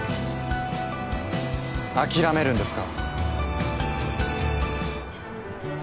諦めるんですか？